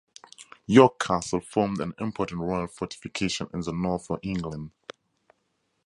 York Castle formed an important royal fortification in the north of England.